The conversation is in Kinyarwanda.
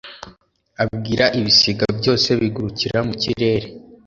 abwira ibisiga byose bigurukira mu kirere